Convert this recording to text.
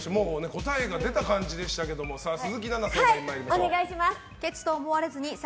答えが出た感じですけども鈴木奈々さん参りましょう。